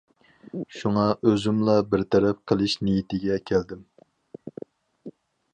شۇڭا ئۆزۈملا بىر تەرەپ قىلىش نىيىتىگە كەلدىم.